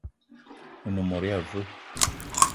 One mot ya veu?